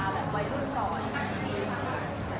แบบไว้รุ่นต่อยความจริงค่ะ